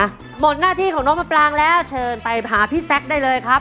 หมดหน้าที่ของน้องมะปรางแล้วเชิญไปหาพี่แซคได้เลยครับ